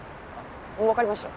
わかりました。